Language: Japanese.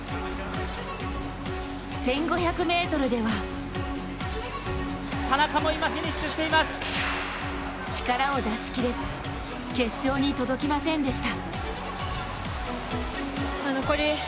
１５００ｍでは力を出し切れず、決勝に届きませんでした。